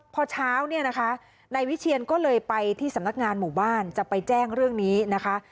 พอเช้าเนี่ยนะคะนายวิเชียนก็เลยไปที่สำนักงานหมู่บ้านจะไปแจ้งเรื่องนี้นะคะ